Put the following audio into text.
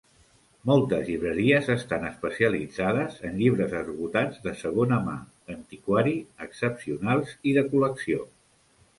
Moltes llibreries estan especialitzades en llibres esgotats, de segona mà, d'antiquari, excepcionals i de col·lecció.